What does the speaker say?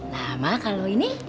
nah ma kalau ini